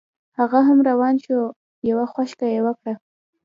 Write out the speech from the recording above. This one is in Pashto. هغه هم روان شو یوه خوشکه یې وکړه.